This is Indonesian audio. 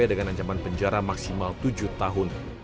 dengan ancaman penjara maksimal tujuh tahun